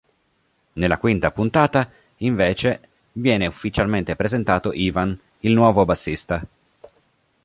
Nella quinta puntata invece, viene ufficialmente presentato Ivan, il nuovo bassista.